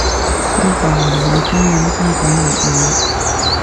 呢度唔理中文，齋講粵語